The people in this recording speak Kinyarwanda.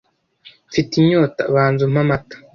mfite inyota banza umpe amata: